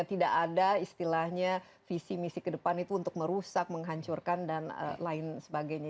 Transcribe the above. tidak ada istilahnya visi misi ke depan itu untuk merusak menghancurkan dan lain sebagainya